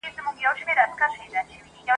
دغه ځوز مي له پښې وکاږه نور ستا یم !.